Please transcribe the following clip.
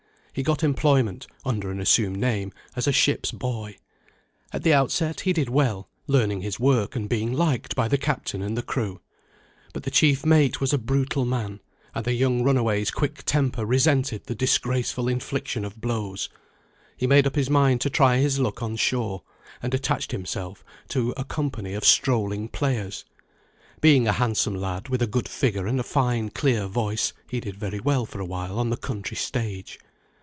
He got employment (under an assumed name) as a ship's boy. At the outset, he did well; learning his work, and being liked by the Captain and the crew. But the chief mate was a brutal man, and the young runaway's quick temper resented the disgraceful infliction of blows. He made up his mind to try his luck on shore, and attached himself to a company of strolling players. Being a handsome lad, with a good figure and a fine clear voice, he did very well for a while on the country stage.